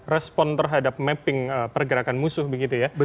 respon terhadap mapping pergerakan musuh begitu ya